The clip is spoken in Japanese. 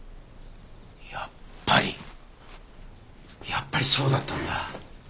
やっぱりやっぱりそうだったんだ。